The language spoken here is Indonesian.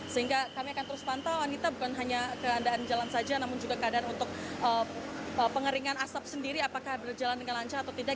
sehingga kami akan terus pantau anita bukan hanya keadaan jalan saja namun juga keadaan untuk pengeringan asap sendiri apakah berjalan dengan lancar atau tidak